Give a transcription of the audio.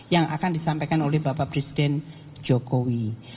yang akan disampaikan oleh bapak presiden jokowi